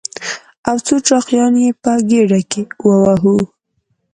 او څو چاقيانې يې په ګېډه کې ووهو.